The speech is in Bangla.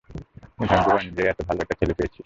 তুই ভাগ্যবান যে, এত ভালো একটা ছেলে পেয়েছিস।